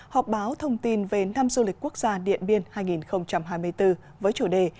họp báo thông tin về năm du lịch quốc gia điện biên hai nghìn hai mươi bốn với chủ đề